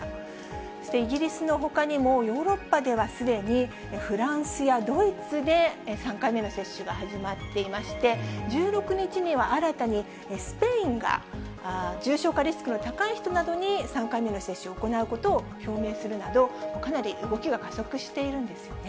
そしてイギリスのほかにも、ヨーロッパではすでに、フランスやドイツで３回目の接種が始まっていまして、１６日には新たにスペインが重症化リスクの高い人などに、３回目の接種を行うことを表明するなど、かなり動きが加速しているんですよね。